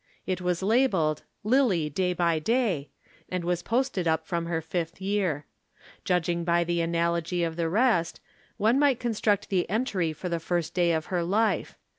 It was labelled "Lillie Day by Day," and was posted up from her fifth year. Judging by the analogy of the rest, one might construct the entry for the first day of her life.